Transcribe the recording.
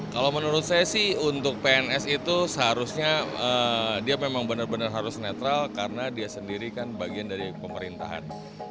kalau menurut saya sih untuk pns itu seharusnya dia memang benar benar harus netral karena dia sendiri kan bagian dari pemerintahan